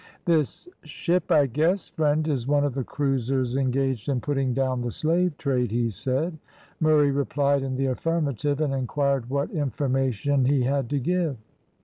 "This ship, I guess, friend, is one of the cruisers engaged in putting down the slave trade," he said. Murray replied in the affirmative, and inquired what information he had to give.